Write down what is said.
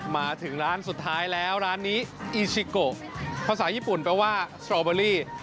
มาถึงร้านสุดท้ายแล้วร้านนี้อีชิโกภาษาญี่ปุ่นแปลว่าสตรอเบอรี่